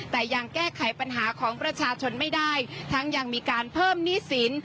แต่ยังแก้ไขปัญหาของประชาชนไม่ได้ทั้งยังมีการเพิ่มหนี้สิน